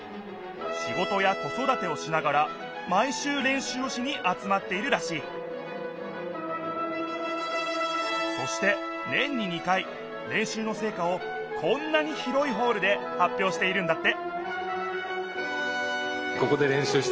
仕事や子そだてをしながら毎週練習をしに集まっているらしいそして年に２回練習のせいかをこんなに広いホールではっぴょうしているんだって